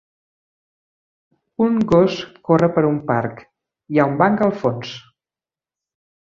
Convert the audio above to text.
Un gos corre per un parc, hi ha un banc al fons.